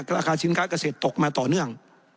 ราคาสินค้าเกษตรตกมาต่อเนื่อง